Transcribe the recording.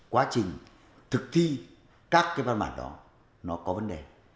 quá trình thực thi các cái văn bản đó nó có vấn đề